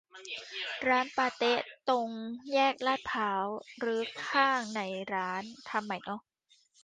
ร้านปาเต๊ะตรงแยกลาดพร้าวรื้อข้างในร้าน ทำใหม่เนอะ